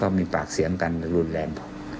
มีปากเสียงกันรุนแรง